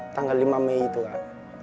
tanggal lima mei itu kan